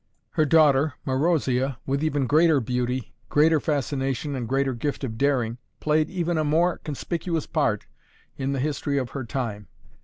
Her daughter Marozia, with even greater beauty, greater fascination and greater gift of daring, played even a more conspicuous part in the history of her time.